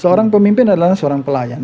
seorang pemimpin adalah seorang pelayan